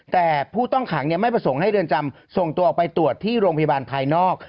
แต่ผู้ต้องขังไม่ประสงค์ให้เรือนจำส่งตัวออกไปตรวจที่โรงพยาบาลภายนอก